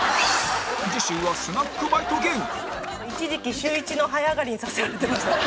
次週は一時期週１の早上がりにさせられてました。